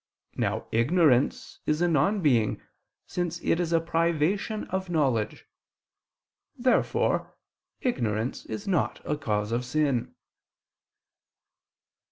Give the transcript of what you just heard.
Now ignorance is a non being, since it is a privation of knowledge. Therefore ignorance is not a cause of sin.